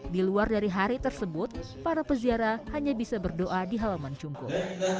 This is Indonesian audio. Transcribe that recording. di luar dari hari tersebut para peziarah hanya bisa berdoa di halaman cungkur